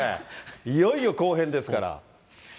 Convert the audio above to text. いよいよ後編ですから。